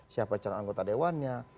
siapa calon anggota dewannya